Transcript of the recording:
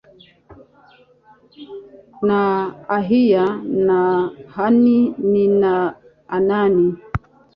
na Ahiya na Han ni na Anani